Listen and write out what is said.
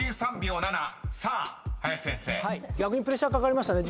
逆にプレッシャーかかりましたね。